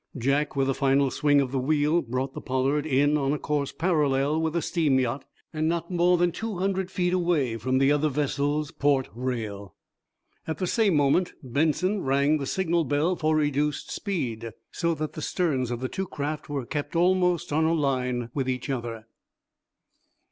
Jack, with a final swing of the wheel, brought the "Pollard" in on a course parallel with the steam yacht, and not more than two hundred feet away from the other vessel's port rail. At the same moment Benson rang the signal bell for reduced speed, so that the sterns of the two craft were kept almost on a line with each other.